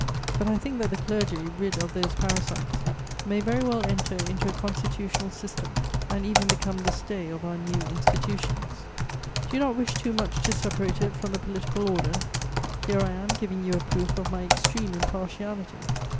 But I think that the clergy, rid of those parasites, may very well enter into a constitutional system and even become the stay of our new institutions. Do you not wish too much to separate it from the political order? Here I am giving you a proof of my extreme impartiality.